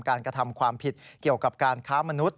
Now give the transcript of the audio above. กระทำความผิดเกี่ยวกับการค้ามนุษย